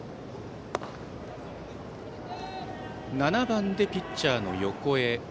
７番でピッチャーの横江。